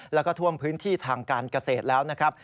แล้วก็ท่วมพื้นที่ทางการเกษตรแล้วนะครับ